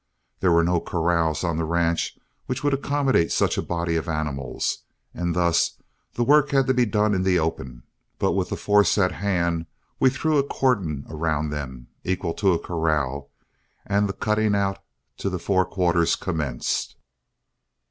There were no corrals on the ranch which would accommodate such a body of animals, and thus the work had to be done in the open; but with the force at hand we threw a cordon around them, equal to a corral, and the cutting out to the four quarters commenced.